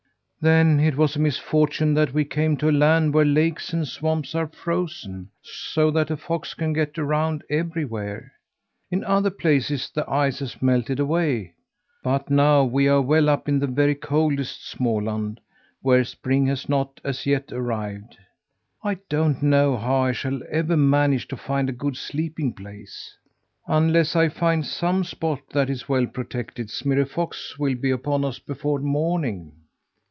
"Then it was a misfortune that we came to a land where lakes and swamps are frozen, so that a fox can get around everywhere. In other places the ice has melted away; but now we're well up in the very coldest Småland, where spring has not as yet arrived. I don't know how I shall ever manage to find a good sleeping place! Unless I find some spot that is well protected, Smirre Fox will be upon us before morning."